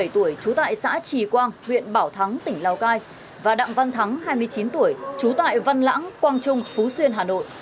ba mươi tuổi trú tại xã trì quang huyện bảo thắng tỉnh lào cai và đặng văn thắng hai mươi chín tuổi trú tại văn lãng quang trung phú xuyên hà nội